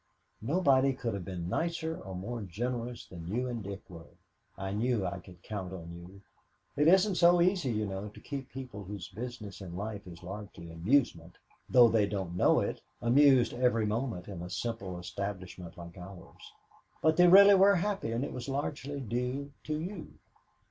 "Nobody could have been nicer or more generous than you and Dick were. I knew I could count on you. It isn't so easy, you know, to keep people whose business in life is largely amusement though they don't know it amused every moment in a simple establishment like ours. But they really were happy, and it was largely due to you."